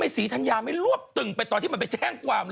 สัญญาไม่รวบตึงไปตอนที่มันไปแช่งความ